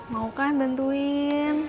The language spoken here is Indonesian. mau kan bantuin